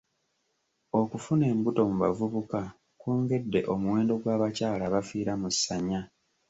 Okufuna embuto mu bavubuka kwongedde omuwendo gw'abakyala abafiira mu ssanya.